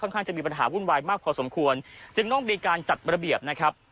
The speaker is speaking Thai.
ข้างจะมีปัญหาวุ่นวายมากพอสมควรจึงต้องมีการจัดระเบียบนะครับ